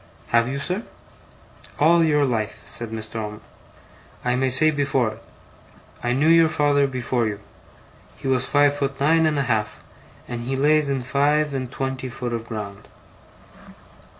'Have you, sir?' 'All your life,' said Mr. Omer. 'I may say before it. I knew your father before you. He was five foot nine and a half, and he lays in five and twen ty foot of ground.